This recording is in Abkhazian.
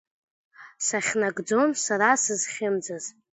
Сахьнагӡон сара сызхьымӡаз…